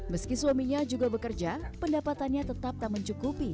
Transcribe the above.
meski suaminya juga bekerja pendapatannya tetap tak mencukupi